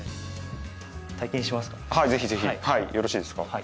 はいぜひぜひよろしいですか？